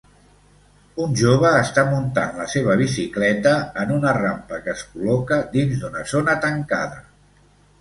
Un jove està muntant la seva bicicleta en una rampa que es col·loca dins d'una zona tancada.